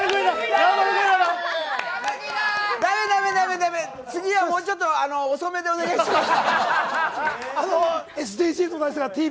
駄目、駄目、駄目、駄目、次はもうちょっと遅めでお願いします。